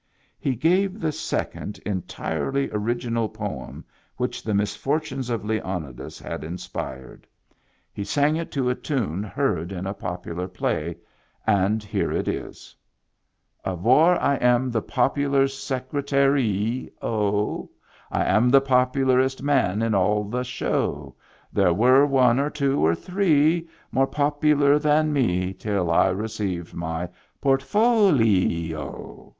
He gave the second entirely original poem which the misfortunes of Leonidas had inspired. He sang Digitized by Google IN THE BACK 115 it to a tune heard in a popular play, and here it is: Of War I am the popular Secretaree — O. I am the popularest man in all the show. There were one or two or three More popular than me Till I received my portofolee — O.